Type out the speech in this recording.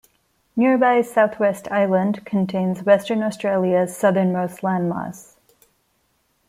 Nearby "South West Island" contains Western Australia's southernmost landmass.